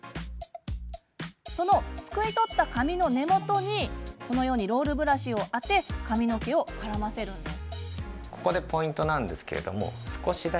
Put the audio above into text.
その、すくい取った髪の根元にロールブラシを当て髪の毛を絡ませるんです。